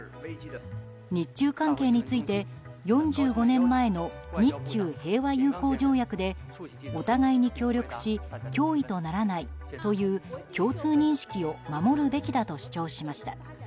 日中関係について４５年前の日中平和友好条約でお互いに協力し脅威とならないという共通認識を守るべきだと主張しました。